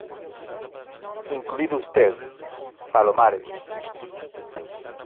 incluido usted, Palomares.